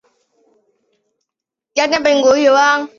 但没有确切证据显示这些腔室内含盐腺。